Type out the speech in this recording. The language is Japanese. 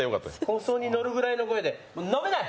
放送にのるぐらいの声で「飲めない！」